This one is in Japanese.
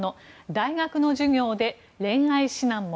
大学の授業で恋愛指南も。